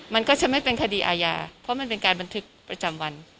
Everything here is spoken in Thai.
มันก็จะไม่เป็นคดีอาญาเพราะมันเป็นการบันทึกประจำวัน